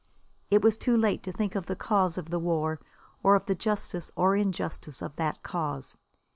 It was too late to think of the cause of the war or of the justice or injustice of that cause.